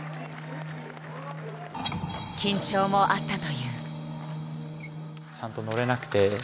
緊張もあったという。